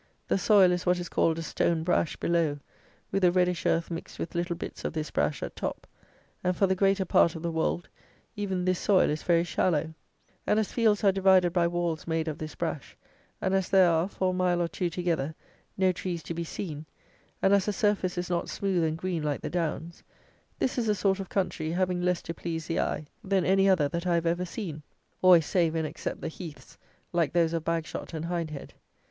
The soil is what is called a stone brash below, with a reddish earth mixed with little bits of this brash at top, and, for the greater part of the Wold, even this soil is very shallow; and as fields are divided by walls made of this brash, and as there are, for a mile or two together, no trees to be seen, and as the surface is not smooth and green like the downs, this is a sort of country, having less to please the eye than any other that I have ever seen, always save and except the heaths like those of Bagshot and Hindhead.